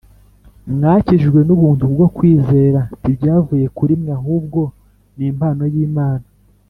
Mwakijijwe n'ubuntu kubwo kwizera: ntibyavuye kuri mwe, ahubwo ni impano y'Imana